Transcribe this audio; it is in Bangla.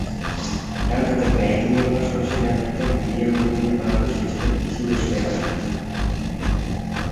ডানহাতে ব্যাটিংয়ের পাশাপাশি ডানহাতে মিডিয়াম বোলিংয়ে পারদর্শী ছিলেন সুরেশ পেরেরা।